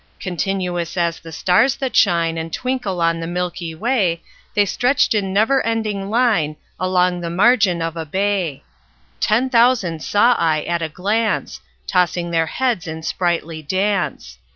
Continuous as the stars that shine And twinkle on the milky way, The stretched in never ending line Along the margin of a bay: Ten thousand saw I at a glance, Tossing their heads in sprightly dance.